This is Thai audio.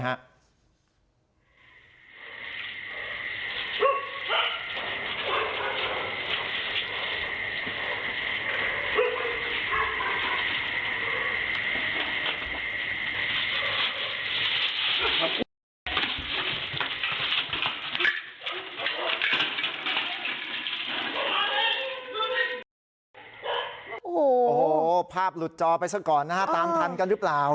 โอ้โหภาพหลุดจอไปซะก่อนนะฮะตามทันกันหรือเปล่า